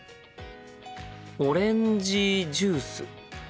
オレンジジュース。